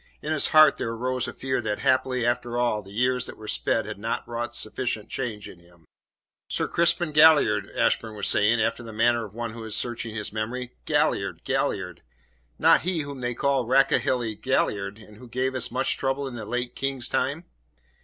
In his heart there arose a fear that, haply after all, the years that were sped had not wrought sufficient change in him. "Sir Crispin Galliard," Ashburn was saying, after the manner of one who is searching his memory. "Galliard, Galliard not he whom they called 'Rakehelly Galliard,' and who gave us such trouble in the late King's time?"